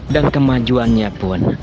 dan kemajuannya pun